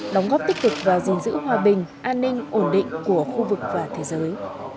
đóng góp tích cực và gìn giữ hòa bình an ninh ổn định của khu vực và thế giới